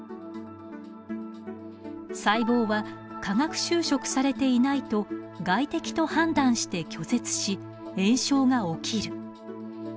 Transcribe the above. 細胞は化学修飾されていないと外敵と判断して拒絶し炎症が起きる。